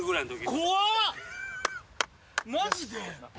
マジで？